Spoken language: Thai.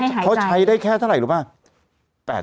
แต่อันเนี้ยเขาใช้ได้แค่เท่าไหร่รู้มั้ย